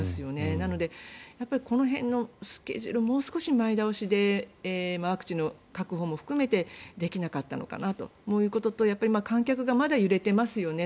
なので、この辺のスケジュールもう少し前倒しでワクチンの確保も含めてできなかったのかなということとやっぱり観客がまだ揺れていますよね。